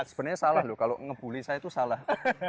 jadi sebenarnya salah loh kalau ngebully saya itu salah